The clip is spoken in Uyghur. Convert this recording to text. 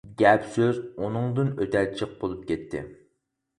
گەپ سۆز ئۇنىڭدىن ئۆتە جىق بولۇپ كەتتى.